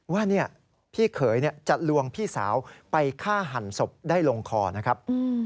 ว่าพี่เขยจะลวงพี่สาวไปฆ่าหันศพได้ลงคอนะครับ